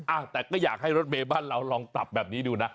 อ่ะแต่ก็อยากให้รถเมย์บ้านเราลองปรับแบบนี้ดูนะ